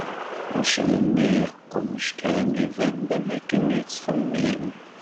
Uccen-nni yeqqummec kan, iban-d am akken yettxemmim.